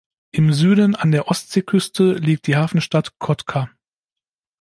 Im Süden, an der Ostseeküste, liegt die Hafenstadt Kotka.